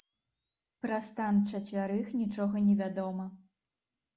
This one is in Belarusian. Пра стан чацвярых нічога не вядома.